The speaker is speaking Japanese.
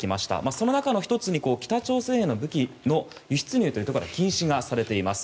その中の１つに北朝鮮への武器の輸出入が禁止がされています。